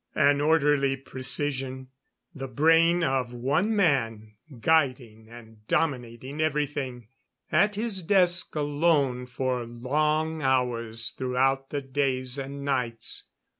An orderly precision the brain of one man guiding and dominating everything; at his desk alone for long hours throughout the days and nights.